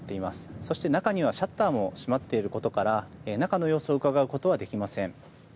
そして中にはシャッターも閉まっていることから中の様子をうかがうことはできません。